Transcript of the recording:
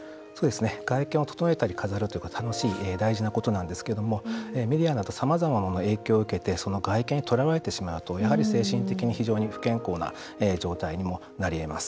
外見を整えたり飾るということは楽しい大事なことなんですけどもメディアなどさまざまな影響を受けて外見にとらわれてしまうとやはり、精神的に非常に不健康な状態にもなりえます。